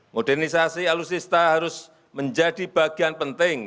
modernisasi alutsista harus menjadi bagian penting